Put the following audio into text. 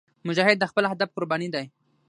مجاهد د خپل هدف قرباني دی.